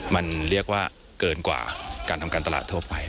มันเรียกว่าเกินกว่าการทำการตลาดทั่วไป